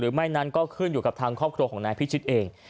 หรือไม่นั้นก็คุยกับทางข้อครัวของนายพิษธิ์เอง